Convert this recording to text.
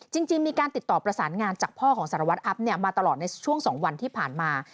จริงมีการติดต่อประสานงานจากพ่อของสารวัตรอัพมาตลอดในช่วง๒วันที่ผ่านมา